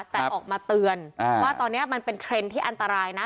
แต่ออกมาเตือนว่าตอนนี้มันเป็นเทรนด์ที่อันตรายนะ